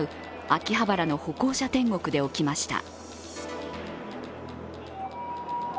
秋葉原の歩行者天国で起きました。